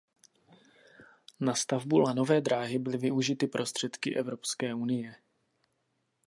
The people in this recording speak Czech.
Na stavbu lanové dráhy byly využity prostředky Evropské unie.